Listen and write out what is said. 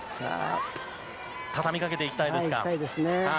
畳み掛けていきたいです。